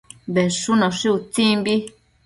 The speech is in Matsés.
Bedshunoshi utsimbi